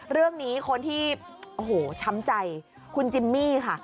เรื่องนี้คนที่โอ้โหช้ำใจคุณจิมมี่ค่ะ